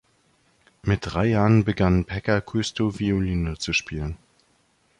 Mit drei Jahren begann Pekka Kuusisto Violine zu spielen.